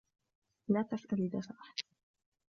لا تسأل إذا سمحت.